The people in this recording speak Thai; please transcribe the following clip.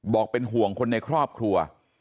บอกเป็นห่วงคนในครอบครัว